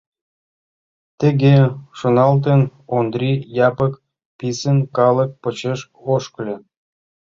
Тыге шоналтен, Ондри Япык писын калык почеш ошкыльо.